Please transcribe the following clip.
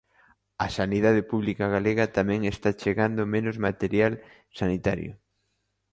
Á sanidade pública galega tamén está chegando menos material sanitario.